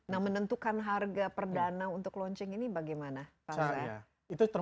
nah menentukan harga perdana untuk launching ini bagaimana pak azza